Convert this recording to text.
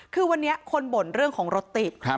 คือวันนี้คนบ่นเรื่องของรถติด